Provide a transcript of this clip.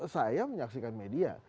saya menyaksikan media